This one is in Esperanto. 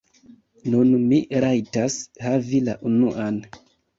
Nun mi rajtas havi la unuan...